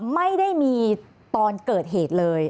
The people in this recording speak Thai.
ไม่ได้มีตอนเกิดเหตุเลย